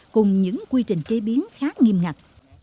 cùng những quy trình chế biến khá nghiêm ngặt